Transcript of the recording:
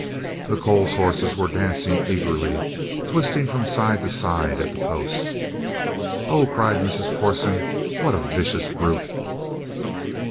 The Coles horses were dancing eagerly, twisting from side to side at the post. "Oh!" cried Mrs. Corson. "What a vicious brute!"